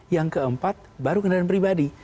yang keempat baru kendaraan pribadi